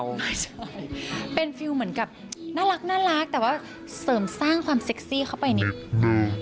ใช่เป็นฟิลเหมือนกับน่ารักน่ารักแต่ว่าเสริมสร้างความเซ็กซี่เข้าไปนิดอ่า